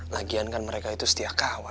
lagian kan mereka itu setia kawan